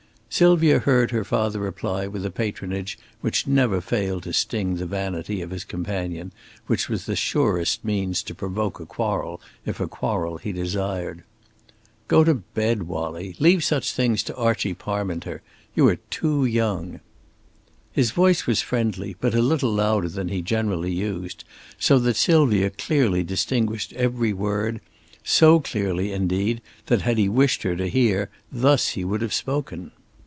Sylvia heard her father reply with the patronage which never failed to sting the vanity of his companion, which was the surest means to provoke a quarrel, if a quarrel he desired. "Go to bed, Wallie! Leave such things to Archie Parminter! You are too young." His voice was friendly, but a little louder than he generally used, so that Sylvia clearly distinguished every word; so clearly indeed, that had he wished her to hear, thus he would have spoken.